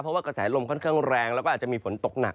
เพราะว่ากระแสลมค่อนข้างแรงแล้วก็อาจจะมีฝนตกหนัก